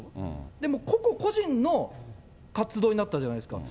でも、個々個人の活動にになったじゃないですか。